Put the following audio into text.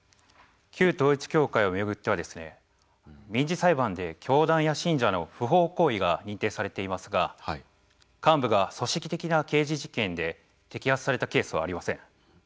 旧統一教会をめぐっては民事裁判で教団や信者の不法行為が認定されていますが幹部が組織的な刑事事件で摘発されたケースはありません。